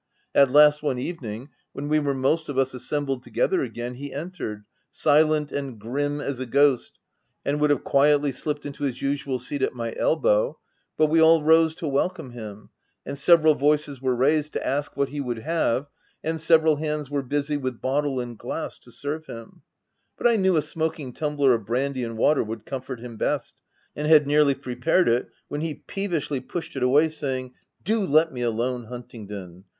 At last, one evening, when we were most of us assembled together again, he entered, silent and grim as a ghost, and would have quietly slipped into his usual seat at my elbow, but we all rose to welcome him, and several voices were raised to ask what he would have, and several hands were busy with bottle and glass to serve him ; but I knew a smoking tumbler of brandy and water would comfort him best, and had nearly prepared it, when he peevishly pushed it away, saying, "'Do let me alone, Huntingdon!